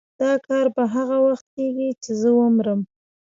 دا کار به هغه وخت کېږي چې زه ومرم.